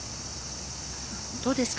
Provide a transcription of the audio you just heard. どうですか？